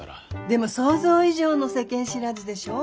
でも想像以上の世間知らずでしょ？